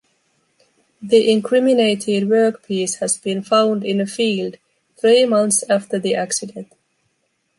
The incriminated workpiece has been found in a field three months after the accident.